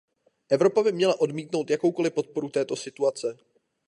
Evropa by měla odmítnout jakoukoliv podporu této situace.